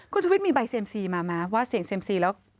คุณชุวิทย์มีใบเซ็มซีมามาว่าเสียงเซ็มซีแล้ว